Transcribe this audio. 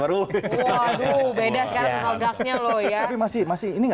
waduh beda sekarang donald ducknya loh ya